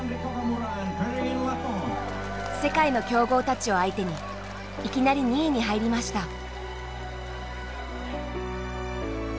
世界の強豪たちを相手にいきなり２位に入りました。